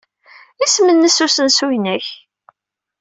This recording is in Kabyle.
Isem-nnes usensu-nnek?